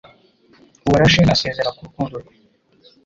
Uwarashe asezera ku rukundo rwe.